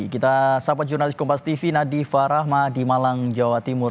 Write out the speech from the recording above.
kita sapa jurnalis kompas tv nadifa rahma di malang jawa timur